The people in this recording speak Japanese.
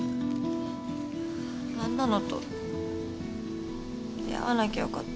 あんなのと出会わなきゃ良かった。